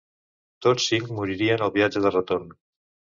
Tots cinc moririen al viatge de retorn.